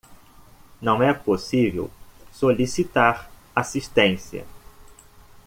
Não é possível solicitar assistência